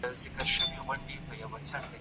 موږ بايد د خپلي مځکي خيال وساتو.